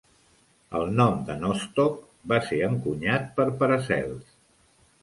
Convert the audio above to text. El nom de "Nostoc" va ser encunyat per Paracels.